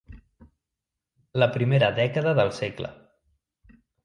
La primera dècada del segle.